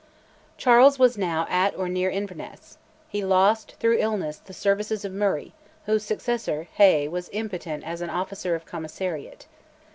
Charles was now at or near Inverness: he lost, through illness, the services of Murray, whose successor, Hay, was impotent as an officer of Commissariat.